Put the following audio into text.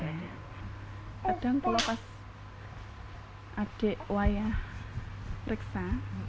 kadang kalau pas adik wayah periksa